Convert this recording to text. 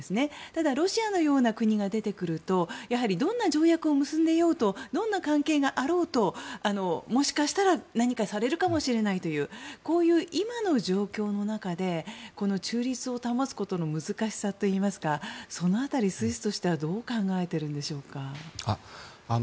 ただ、ロシアのような国が出てくるとどんな条約を結んでいようとどんな関係があろうともしかしたら何かされるかもしれないというこういう今の状況の中で中立を保つことの難しさといいますかその辺り、スイスとしてはどう考えているんでしょうか。